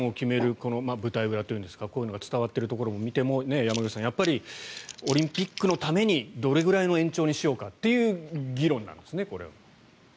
この舞台裏というんですかこういうのが伝わっているのを見ても山口さん、やっぱりオリンピックのためにどれぐらいの延長にしようかっていう議論なんですねこれは。